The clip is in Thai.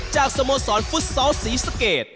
จากสโมสรฟุตซอลศรีสเกต